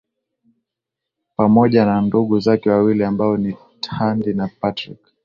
Pamoja na ndugu zake wawili ambao ni Thandi na Patrick